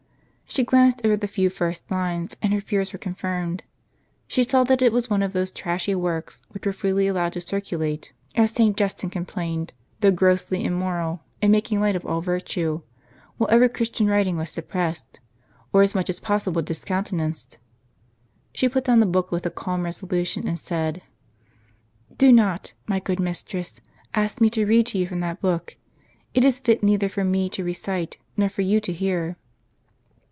She glanced over the few first lines, and her fears were confirmed. She saw that is was one of those trashy works, which were freely allowed to cir culate, as St. Justin complained, though grossly immoral, and making light of all virtue; while every Christian writing was suppressed, or as much as possible discounte nanced. She put down the book with a calm resolution, and said :" Do not, my good mistress, ask me to read to you from that book. It is fit neither for me to recite, nor for you to hear."